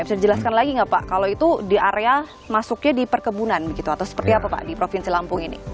bisa dijelaskan lagi nggak pak kalau itu di area masuknya di perkebunan begitu atau seperti apa pak di provinsi lampung ini